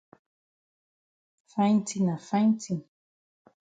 Fine tin na fine tin.